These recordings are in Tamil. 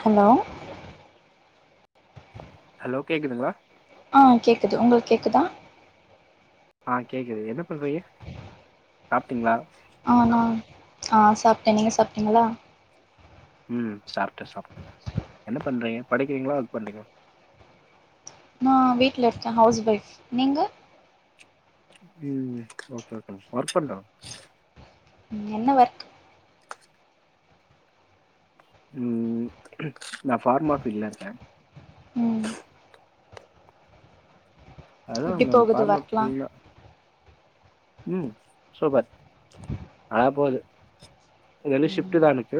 ஹலோ ஹலோ கேக்குதுங்ளா ஆ கேக்குது உங்களுக் கேக்குதா ஆ கேக்குது என்ன பண்றீங்க சாப்ட்டீங்ளா ஆ நா ஆ சாப்ட்டே நீங்க சாப்ட்டீங்களா ம் சாப்ட்டே சாப்ட்டே என்ன பண்றீங்க படிக்கிறீங்களா ஒர்க் பண்றீங்ளா ஆ வீட்ல இருக்க ஹவுஸ் ஒய்ஃப் நீங்க ம் ஓகே ஓகே மேம் ஒர்க் பண்ற மேம் ம் என்ன ஒர்க் ம் நா ஃபார்மா ஃபீல்ட்ல இருக்கே ம் அதா எப்டி மேம் போகுது ஃபார்மா ஒர்க்லா ஃபீல்னா ம் சூப்பர் அதலா போது இது வந்து ம் ஷிஃப்ட்டுதா எனக்கு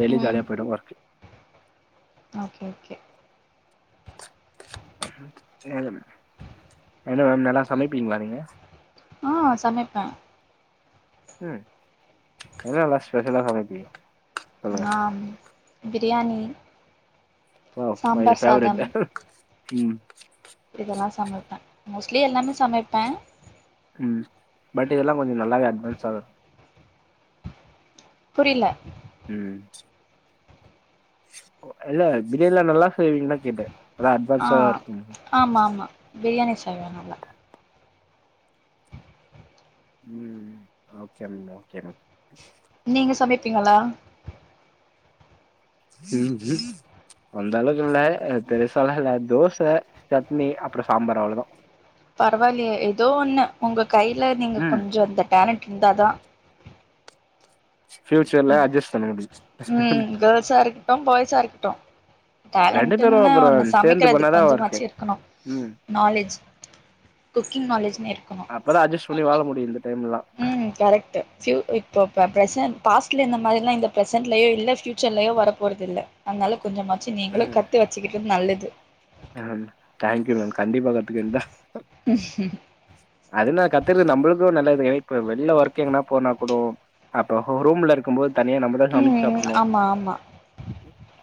டெய்லியு ம் ஜாலியா போயிடு ஒர்க்கு ஓகே ஓகே இன்னு இல்ல என்ன மேம் நல்லா சமைப்பீங்ளா நீங்க ஆ சமைப்பே ம் என்னெல்லா ஸ்பெஷலா சமைப்பீங்க சொல்லுங்க நா biryani oh my sambar favourite சாதம் ம் இதெல்லா சமைப்பே மோஸ்ட்லி எல்லாமே சமைப்பே ம் பட் இதெல்லா கொஞ்சோ நல்லாவே அட்வான்ஸ் ஆகு புரியல உ இல்ல பிரியாணிலா நல்லா செய்வீங்களான்னு கேட்டே அதா ஆ அட்வான்ஸா இருக்கு ஆமா ஆமா பிரியாணி செய்வே நல்லா உ ஓகே மேம் ஓகே மேம் நீங்க சமைப்பீங்களா உம்ம் அந்த அளவுக்கு மேல பெருசால்ல இல்ல தோசை சட்னி அப்றோ சாம்பார் அவ்ளவுதா பரவாயில்லையே ஏதோ ஒண்ணு உங்க கையில நீங்க ம் கொஞ்சோ அந்த டேலண்ட் இருந்தாதா ஃபியூச்சர் ல்ல அட்ஜஸ் தான ம் கேர்ள்ஸா இருக் கட்டும் பாய்ஸா இருக்கட்டு ரெண்டு பேரு டேலண்டன்னு அப்புறோ ஒன்னு சேர்ந்து சமைக்கதுக்கு பண்ணாதா ஒர்க்கு கொஞ்சமாச்சு இருக்கணு ம் நாலேஜ் குக்கிங் நாலேஜ்ன்னே இருக்கணு அப்ப தா அஜஸ் பண்ணி வாழ முடிய இந்த டைம்லலா உ கரெக்ட்டு இப்போ பிரசான் பாஸ்டல இந்த மாதிரிலா இந்த பிரசென்ட்லயோ இல்ல ஃப்பியூச்சர்லேயோ வர போறதில்லை அதுனால கொஞ்சமாச்சு நீங்களு கத்து வச்சுக்கிட்டது நல்லது மேம் தேங்க்யூ மேம் கண்டிப்பா கத்துக்கந்தா ஹம்ம் அதுனா கத்துக்கது நம்மளுக்கு நல்லது ஏ இப்ப வெளில ஒர்க் எங்கன்னா போனா கூடு அப்போ ரூம்ல இருக்கு போது தனியா நம்ம சமைச்சு ம் சாப்டனு ஆமா ஆமா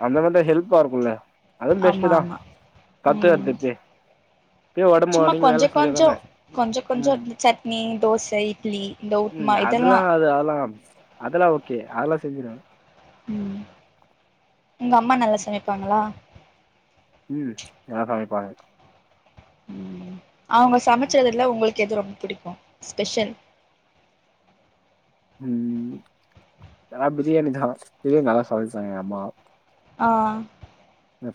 அந்த மாதிரி ஹெல்பா இருக்கும்ல்ல அதுவு பெஸ்ட் ஆமா தா ஆமா பத்து ம் வருதுப்ப சும்மா கொஞ்சோகொஞ்சோ செஞ்சாதான கொஞ்சோ கொஞ்சோ ம் சட்னி தோசை இட்லி இந்த உப்மா ம் அதெல்லா இதெல்லா அது அதெலா அதெல்லா ஓகே அதெல்லா செஞ்சிருவே உ உங்க அம்மா நல்லா சமைப்பாங்களா ம் நல்ல சமைப்பாங்க அவுங்க சமைச்சதுல உங்களுக்கு எது ரொம்ப பிடிக்கு ஸ்பெஷல் உ நல்லா பிரியாணி தா பிரியாணி நல்லா சமைப்பாங்க எங்க அம்மா ஆ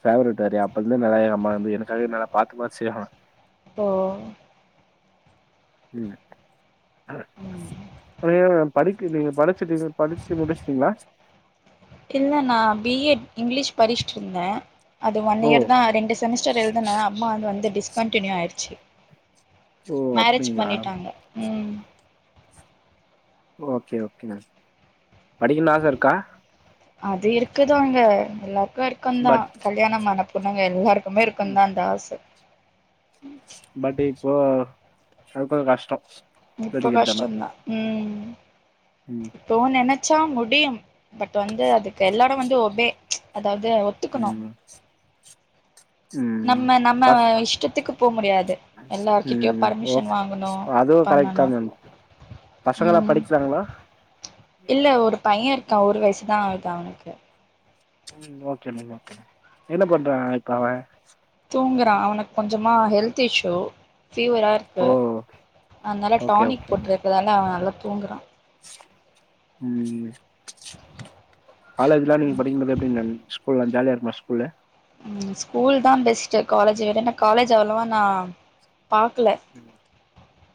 பேவரட் வேறையா அப்பருந்து நிறையா அம்மா வந்து எனக்காக நல்ல பாத்து பாத்து செய்வே ஓ ம் அ ம் ம் படிக் நீங்க படிச்சீட் படிச்சு முடிச்சுட்டீங்களா இல்ல நா பி எட் இங்கிலீஷ் படிச்சட்டு இருந்தே அது ஒன் ஓ இயர் தா ரெண்டு செமிஸ்டர் எழுதுனே அம்மா வந்து வந்து டிஸ்கன்டினியூ ஆயிடுச்சு ஓ மேரேஜ் அப்டிங்களா பண்ணிட்டாங்க உ ஓகே ஓகே மேம் படிக்கணு ஆசை இருக்கா அது இருக்குதாங்க எல்லாருக்கு இருக்குதா பட் கல்யாணோ ஆன பொண்ணுங்க எல்லாருக்கு மே இருக்கு தா அந்த ஆச பட் இப்போ அது கொஞ்சோ கஷ்டோ இப்ப படிக்கறதெல்லா கஷ்டோ தா ம் ம் தோ நெனைச்சா முடியு பட் வந்து அதுக்கு எல்லாரு வந்து ஒபே அதாவது ஒத்துக்கணு ம் ம் நம்ம நம்ம பஸ் இஷ்டத்துக்கு போ முடியாது எல்லார்கிட்டயு ம் ஓ பர்மிஷன் வாங்கணு அதுவு கரெக்ட் தா பண்ணணு மேம் பசங்களா ம் படிக்கிறாங்களா இல்ல ஒரு பைய இருக்கா ஒரு வயசுதா ஆவுது அவனுக்கு ம் ஓகே மேம் ஓகே மேம் என்ன பண்றா இப்ப அவ தூங்குறா அவனுக்கு கொஞ்சமா ஹெல்த் இஷ்யூ ஃபீவரா ஓ ருக்கு அதுனால ஓகே டானிக் ஓகேங்க போட்டிருக்கறதால அவ நல்லா தூங்குறா ம் காலேஜ்ல்லா நீங்க படிக்கு போது எப்டி மேம் ஸ்கூல்லல்லா ஜாலியா இருக்குமா ஸ்கூல்லு ம் ஸ்கூல் தா பெஸ்ட்டு காலேஜ் விட நா காலேஜ் அவ்ளோவா நா பாக்ல ம்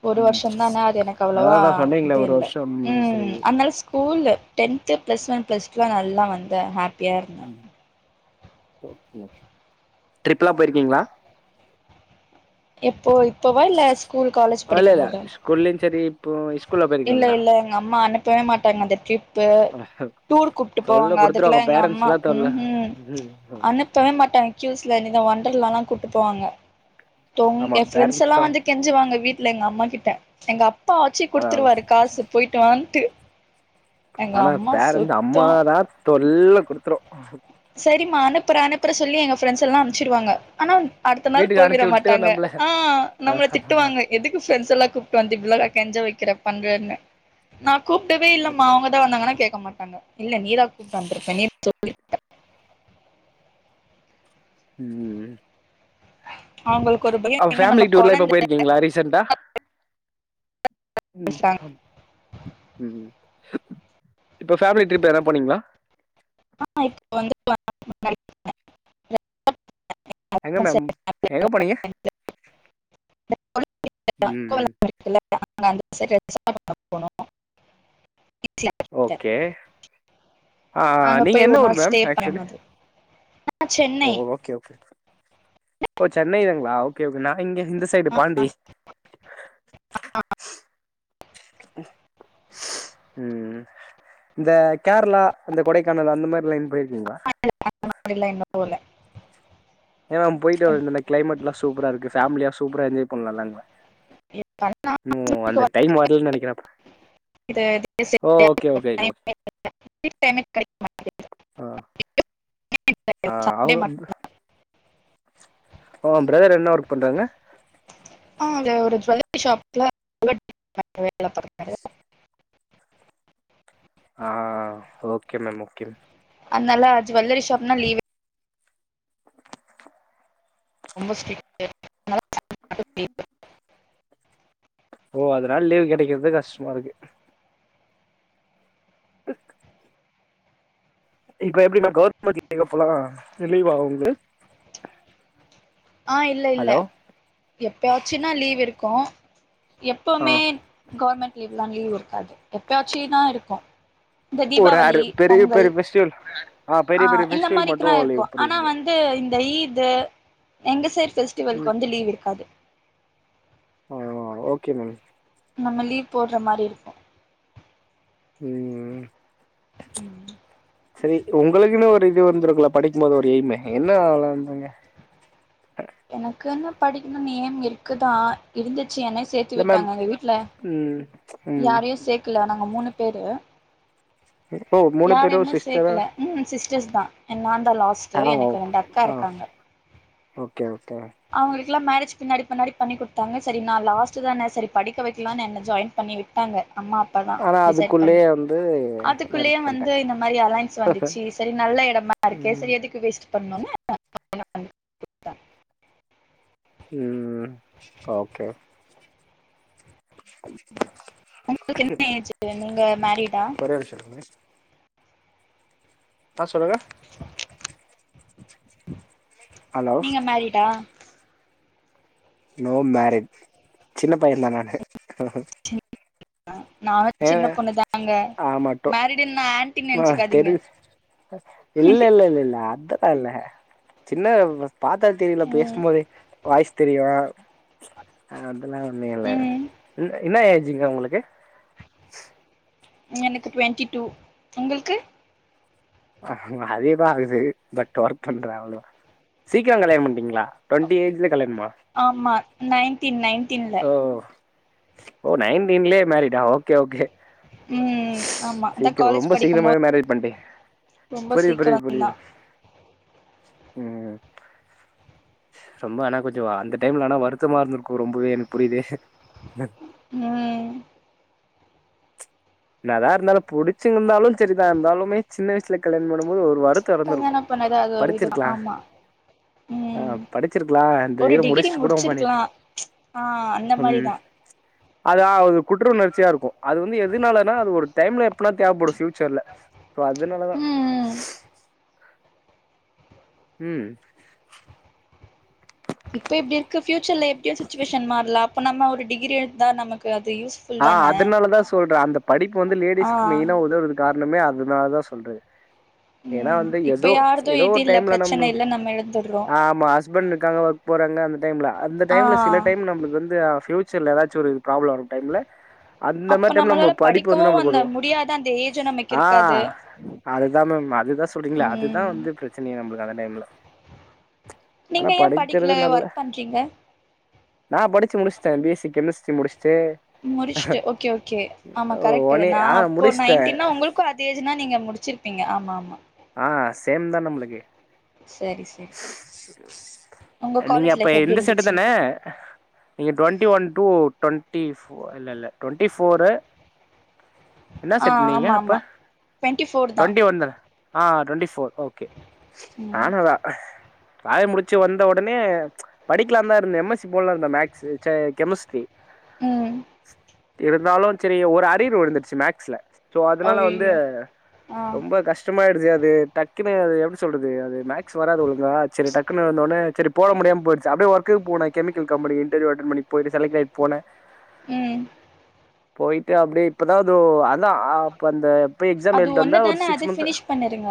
ஒரு வருஷோ தானே அது எனக்கு அவ்ளவா அதாதா இது சொன்னீங்களே ஒரு இல்ல வருஷம் சரி ம் அதுனால ஸ்கூல்லு டென்த்து ப்ளஸ் ஒன் ப்ளஸ் டூல நல்லா வந்த ஹாப் ம் [unintelligible] ட்ரிப்பல்லா போயிருக்கீங்களா எப்போ இப்போவா இல்ல ஸ்கூல் காலேஜ் இல்ல படிக்கு இல்ல போதா ஸ்கூல்லயு சேரி இல்ல இல்ல எங்க அம்மா அனுப்பவே மாட்டாங்க அந்த ட்ரிப்பு டூர் கூப்ட்டு போவாங்க தொல்ல அதுக்கல்லா குடுத்துருவாங்க எங்க பேரண்ட்ஸ் அம்மா தா தொல்ல உம் ம் அணு ப்பவே மாட்டாங்க கியூஸ்ல வண்டர்லால்லா கூட்டு போவாங்க ஆமா எ ஃப்ரெண்ட்ஸ் பேரண்ட்ஸ் எல்லா தா வந்து கெஞ்சுவாங்க வீட்டுல எங்க அம்மா கிட்ட எங்க அப்பா வச்சு அதா அதா குடுத்துருவாரு காசு போயிட்டு வான்ட்டு எங்க ஆனா அம்மா பேரண்ட் சுத்தோ அம்மாதா பெரிய குருத்தரோ சேரிம்மா அனுப்புற அனுப்புற சொல்லி எங்க ஃப்ரெண்ட்ஸ் எல்லா அனுச்சுடுவாங்க ஆனா அடுத்த நாள் வீட்டுக்கு போயிவிட அனுப்ச்சு விட்டு மாட்டாங்க நம்பள ஆ நம்மள ஆஹஹஹ திட்டுவாங்க எதுக்கு ஃப்ரெண்ட் எல்லா கூப்பிட்டு வந்து இப்படலா கேஞ்ச வைக்கிற பண்றன்னு நா கூப்பிட்டுவே இல்லமா அவங்கதா வந்தாங்கன்னா கேட்க மாட்டாங்க இல்ல நீதா கூப்பிட்டு வந்திருப்ப நீ சொல்லி ம் அவங்களுக்கு ஒரு பயம் எங்க நம்ம கொழந்த ங்களா ரீசன்டா ம் ஆ ம் இப்போ ஃபேமிலி ட்ரிப் என்ன போனீங்களா ஆ இப்ப வந்து [unintelligible] முன்னாடி போன எங்க மேம் எங்க போனீங்க ம் ம் இல்ல நாங்க அந்த சைட் ரெஸ்டாரன்ட பக்க போனோ இட்லர் ஓகே ஆ அங்க நீங்க போய் எந்த ஒரு ஊர் நாள் மேம் ஸ்டே பண்ண ஆக்சுவலி மாதிரி ஆ ஓ சென்னை ஓகே ஓகே ஓ சென்னை தாங்களா ஓகே நா இங்க இந்த சைடு பாண்டி ம் இந்த கேரளா அந்த கொடைக்கானல் அந்த மாரி லைன் போயிருக்கீங்களா கேரளா அந்த லைன் இன்னு போல ஏ மேம் போயிட்டு வந்தோ கிமேட்ல்லா சூப்பரா இருக்கு பேபேமியா சூப்பரா என்ஜாய் பண்ணலாம்ல மேம் ம் அந்த டைம் வரலனு நினைக்கிறேன்ப்பா இந்த [unintelligible] ஓகேங்க ஃபீரி டைமே கடைக்க மாண்டேகுது ஆ [unintelligible] ஆ சண்டே அவங்க மட்டுதா ஓ பிரதர் என்ன ஒர்க் பண்றாங்க ஆ அங்க ஒரு ஜுவல்லரி ஷாப்ல வேலை [inaudible] ஆ ஓகே மேம் ஓகே மேம் அனல்லா அது ஜுவல்லரி ஷாப்னா லீவே ரொம்ப ஸ்ட்ரிட்டு அதனால [inaudible] ஓ அதனால லீவ் கெடைக்குறது கஷ்டமா இருக்கு க் இப்ப எப்டிமா கவர்மெண்ட் லீவ் அப்பல்லா லீவாவுது ஆ இல்ல இல்ல ஹலோ எப்பயாச்சுன்னா லீவ் இருக்கு ஆ எப்பமே கவர்மெண்ட் லீவ்லா லீவ் இருக்காது எப்பயாச்சுனா இருக்கு இந்த ஓ தீபாவளி ரேரு பெரிய பொங்கல் பெரிய ஃபெஸ்டிவல் ஆ பெரிய பெரிய இந்த ஃபெஸ்டிவல் மட்டு மாரிக்குல்லா லீவ் இருக்கு ஆனா புரியுது வந் து இந்த ஈது எங்க சைடு ம் பெஸ்டிவலுக்கு வந்து லீவ் இருக்காது ஆ ஓகே மேம் நம்ம லீவ் போட்ற மாரி இருக்கு ம் ம் சரி உங்களுக்குன்னு ஒரு இது வந்திருக்குல படிக்கு போது ஒரு எய்ம் என்ன ஆகலா இருந்தங்க எனக்குன்னு படிக்கணு எய்ம் இருக்குதா இருந்துச்சு என்ன சேத்து இல்ல மேம் விட்டாங்க எங்க வீட்ல ம் ம் யாரையு சேக்கல நாங்க மூணு பேரு இருப்போ யாரையுமே சேக்கல ம் சிஸ்டர்ஸ் தா நா தா லாஸ்ட்டு ஆ ஓ எனக்கு ரெண்டு அக்கா ஆ இருக்காங்க ஓகே ஓகே அவங்களுக்கெலாம் மேரேஜ் பின்னாடி பின்னாடி பண்ணி குடுத்தாங்க சரி நா லாஸ்ட் தா சரி படிக்க வக்கலா என்ன ஜாயின் பண்ணி விட் ங்க அம்மா அப் பாதா ஆனா டிசைட் பண்ணி அதுக்குள்ளயே வந்து அதுக்குள்ளயே மேரேஜ் வந்து பண்ட்டாங்க இந்த மாரி அலயன்ஸ் வந்துச்சு சரி நல்ல இடமா மா இருக்கே ம் எதுக்கு வேஸ்ட் பண்ணுனு கல்யாண பண்ணி ம் ஓகே உங்களுக்கு என்ன நீங்க மேரிடா ஒரே நிமிஷ இருங்க ஆ சொல்லுங்க [inaudible] [inaudible] நீங்க மேரிடா நோ மேரிட் சின்ன பய தா நானு நானு ஏ சின்ன பொண்ணுதாங்க ஆமா டொ மேரிடுனா ஆண்ட்டி ஆ நெனச்சுக்காதீங்க தெரி இல்ல இல்ல இல்ல அது அல்ல சின்ன பாத்தா தெரியல ம் பேசும் போதே வாய்ஸ் தெரிய அதெல்லா ஒண்னுயில்ல ம் என்னா ஏஜுங்க்கா உங்களுக்கு எனக்கு ட்வெண்ட்டி டூ உங்களுக்கு ஆ அதேதா ஆகுது பட் ஒர்க் பண்ற அவ்ளதா சீக்கிர கல்யாண பண்டீங்ளா டுவெண்டி ஏஜ்ல கல்யாணமா ஆமா நைன்டீன் நைன்டீன்ல ஓ ஓ நயன்டின்லயே மேரிடா ஓகே ஓகே ம் ஆமா அதா சீக்கிர காலேஜ் ரொம்ப படிக்கும் போது சீக்கிரமாவே மேரேட் பண்டீங்க ரொம்ப புரியுது புரியுது சீக்கிரந்தா புரியுது உ ரொம்ப ஆனா கொஞ்சோ அந்த டைம்ல ஆனா வருத்தமா இருந்திருக்கு ரொம்பவே எனக்கு புரியுது உ நல்லாயிருந்தாலு புடிச்சு இருந்தாலு சரிதா இருந்தாலமே சின்ன வயசுல கல்யாணம் பண்ணு போது ஒரு வரத்து த்தோ இருந்திருக்கு கல்யாணம் பண்ணது அது ஒரு இதுதா படிச்சிருக்கலா ஆமா ஆ ம் படிச்சிருக்கலா இந்த ஒரு இயர் டிகிரி முடிச்சுட்டு கூட பண்ணி முடிச்சிருக்கலா ஆ அந்த ம் மாரிதா அதா ஒரு குற்ற உணர்ச்சியா இருக்கு அது வந்து எதுனால நா அது ஒரு டைம்ல எப்பனா தேவப்படு ஃப்யுச்சர்ல அதுனாலதா ம் ம் உ இப்ப இப்படி இருக்கு பியூச்சர்ல எப்டியுச்சு சுச்சுவேஷன் மாறலாம் அப்ப நம்ம ஒரு டிகிரி இருந்தா நமக்கு அது யூஸ் ஆஹ் அதுனாலதா சொல்றே அந்த படிப்பு வந்து ஆ லேடிஸ்க்கு மெயினா உதவுது காரணமே அதனால தான் சொல்றே ஏன்னா ம் வந்து இப்ப ஏதோ யாரது ஏதோ இது ஒரு இல்ல டைம்ல நம் பிரச்சன இல்ல நம்ம எழுந்துடுறோ ஆமா ஹஸ்பண்ட் இருக்காங்க ஒர்க் போறாங்க அந்த டைம்ல அந்த ஆ டைம்ல சில டைம் நம்மளுக்கு வந்து பியூச் புயுச்சர்ல ஏதாச்சு ஒரு ப்ராப்ளோ வர டைம்ல அந்த மார் அப்ப டைம்ல நம்ம நம்மளால படிப்பு படிக்கவு வந்து நம்மளுக்கு அந்த உதவு முடியாத அந்த ஏஜு நமக்கு ஆ இருக்காது அதுதா மேம் அதுதா சொல்றீங்கள அதுதா ம் வந்து பிரச்சனையே நம்பளுக்கு அந்த டைம்ல ஆனா நீங்க ஏ படிக்கிறது படிக்கல நல்ல ஒர்க் பண்றீங்க நா படிச்சு முடிச்சுட்ட பி எஸ் சி கெமிஸ்ட்ரி முடிச்சுட்டு முடிச்சுட்டு ஓகே ஓகே ஆமா கரெக்ட்டு ஒனே நா ஆ அப்போ முடிச்சுட்டே நைன்டீனா உங்களுக் கு அதே ஏஜ்னா நீங்க முடிச்சிருப்பீங்க ஆமா ஆமா ஆ சேம் தா நம்மளுக்கு செரி ச நீங்க காலேஜ் அப்ப லைஃப் எப்டி எந்த செட்டு இருந்துச்சு தான நீங்க twenty one two twenty four இல்லல்ல டொண்டி போரு என்னா ஆ செட் நீங்க ஆமா அப்ப ஆமா டுவெண்ட்டி ஃபோர் தா டொண்டி ஒன் தான ஆ டொண்டி ஃபோர் ஓகே ம் நானு அதா ராய முடிச்சு வந்த உடனே படிக்கலான்தா இருந்த எம் எஸ் சி போடலான் இருந்த மேக்ஸ்சு ச்ச கெமிஸ்ட்ரி ம் இருந்தாலு செரி ஒரு அரியர் உழுந்துருச்சு மேக்ஸ்ல சோ அதனால வந்து அய்யய்யோ ஆ ரொம்ப கஷ் கஷ்ட்டமாயிடுச்சு அது டக்குன்னு அது எப்படி சொல்றது அது மேக் ஸ் வராது ஒழுங்கா செரி டக்குன்னு வந்தோன்னே சரி போட முடியாம போயிடுச்சு அப்படியே ஒர்க்குக்கு போன கெமிக்கல் கம்பனி இன்டர்வியூ அட்டென் பண்ணி போயிட்டு செலக்ட் ஆயிட்டு போன ம் போயிட்டு அப்படே இப்பதா எதோ த ஆப்ப அந்த போய் எக்ஸாம் அது எழுட்டு ஒன்னு வந்தா ஒரு தான சிக்ஸ் அது மந்த் ஃபினிஷ் பண்ணிருங்க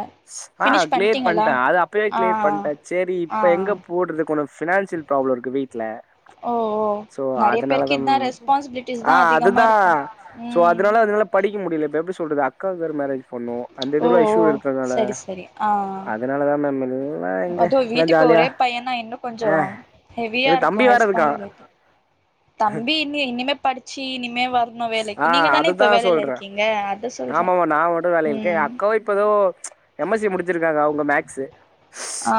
ஆ ஃபினிஷ் கிளியர் பண்ட்டீங்களா பண்ட்டே அது அப்பவே ஆ கிளியர் பண்ட்டே சேரி ஆ ஆ இப்ப எங்க போடுறது கொன்னோ பினான்சியல் ப்ராப்ளோ இருக்கு வீட்டுல ஓ ஓ சோ நெறைய பேருக்கு அதனாலதன் இதா ரெஸ்பான்சிபிலிட்டிஸ் ஆ தா அதிகமா அதுதா இருக்கு சோ ம் அதனால அதனால படிக்க முடில இப்ப எப்டி சொல்றது அக்காவுக்கு வேற மேரேஜ் பண்ணு அந்த ஓ இதுலா இஷ்யூ ஓ இருக்கர்னால சரி அதனாலதா [unintelligible] அதூ எல்லா வீட்டுக்கு ஜாலியா ஒரே பையனா இன்னு கொஞ்சோ ஆ ஹெவியா எனக்கு தம்பி வேற இருக்கா இருக்கு [unintelligible] தம்பி இனி இனிமே படிச்சி இனிமே வர் னு ஆ வேலைக்கு நீங்க தானே இப்ப அதுதா வேலைல சொல்றே இருக்கீங்க அத சொல்ற ம் கோ இப்பதோ எம் எஸ் சி முடிச்சிருக்காங்க அவுங்க மேக்ஸு ஆ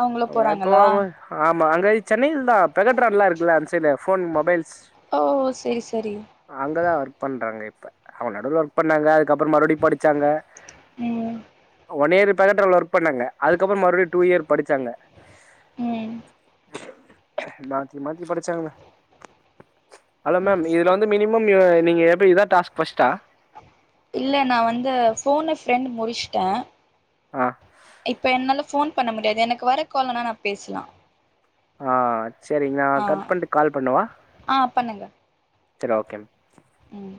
அவங்க இப்போ அவ ஆமா அங்க சென்னையில்தா பெகட்ரான்லா இருக்குல்ல அது சைட் ஃபோன் மொபைல்ஸ் ஓ சரி சரி அங்கதா ஒர்க் பண்றாங்க இப்ப அவங்க நடுல ஒர்க் பண்ணாங்க அதுக்கப்புறோ மறுடி படிச்சாங்க ம் ஒன் இயர் பகட்ரான்ல ஒர்க் பண்ணாங்க அதுக்கப்புறோ மறுடியு டூ இயர் படிச்சாங்க ம் மாத்தி மாத்தி படிச்சாங்கள ஹலோ மேம் இதுல வந்து மி மினிமம் நீங்க எப்டி இதா டாஸ்க் ஃபர்ஸ்ட்டா இல்ல நா வந்து ஃபோன்னு ஃப்ரெண்ட் முடிச்ட்ட ஆ இப்ப என்னால ஃபோன் பண்ண முடியாது எனக்கு வர கால்னனா நா பேசலா ஆ சரிங்க நா ஆ கட் பண்ட்டு கால் பண்ணவா ஆ பண்ணுங்க சரி ஓகே ம்